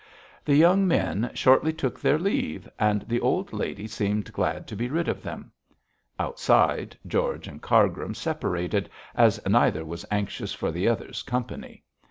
The young men shortly took their leave, and the old lady seemed glad to be rid of them. Outside, George and Cargrim separated, as neither was anxious for the other's company.